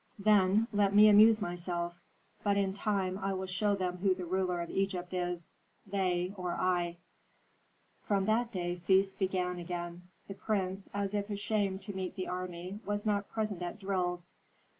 Then let me amuse myself. But in time I will show them who the ruler of Egypt is, they or I." From that day feasts began again. The prince, as if ashamed to meet the army, was not present at drills.